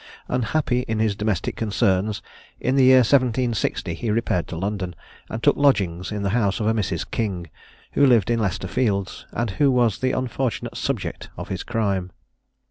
Unhappy in his domestic concerns, in the year 1760 he repaired to London, and took lodgings in the house of a Mrs. King, who lived in Leicester fields, and who was the unfortunate subject of his crime.